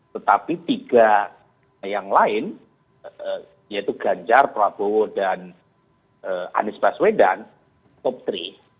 tetapi tiga yang lain yaitu ganjar prabowo dan anies baswedan top tiga